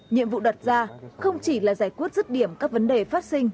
nhiệm vụ đặt ra không chỉ là giải quyết rứt điểm các vấn đề phát sinh